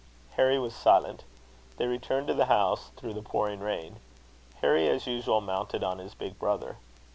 Harry was silent. They returned to the house, through the pouring rain; Harry, as usual, mounted on his big brother.